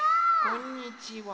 こんにちは。